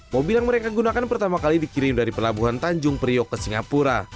mobil yang mereka gunakan pertama kali dikirim dari pelabuhan tanjung priok ke singapura